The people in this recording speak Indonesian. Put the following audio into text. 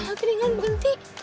nah gedingan berhenti